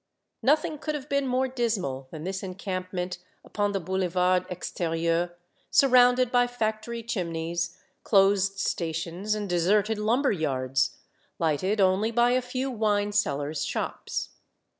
Nothing could have been more dismal than this encampment upon the boulevard ext^rieuVy sur rounded by factory chimneys, closed stations, and deserted lumber yards, lighted only by a few wine sellers' shops.